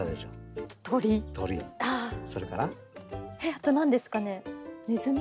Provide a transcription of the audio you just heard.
あと何ですかねネズミ？